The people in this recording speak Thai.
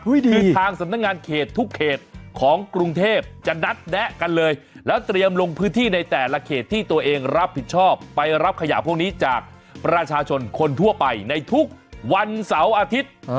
คือทางสำนักงานเขตทุกเขตของกรุงเทพจะนัดแนะกันเลยแล้วเตรียมลงพื้นที่ในแต่ละเขตที่ตัวเองรับผิดชอบไปรับขยะพวกนี้จากประชาชนคนทั่วไปในทุกวันเสาร์อาทิตย์